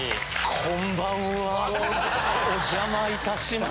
こんばんはお邪魔いたします。